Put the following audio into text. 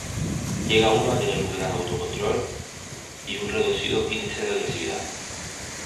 Llega uno a tener un gran autocontrol y un reducido índice de agresividad.